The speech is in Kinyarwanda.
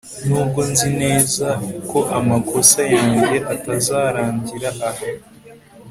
Nubwo nzi neza ko amakosa yanjye atazarangirira aha